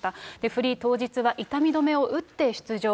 フリー当日は痛み止めを打って出場。